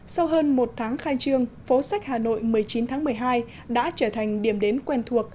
sau hơn một tháng khai trương phố sách hà nội một mươi chín tháng một mươi hai đã trở thành điểm đến quen thuộc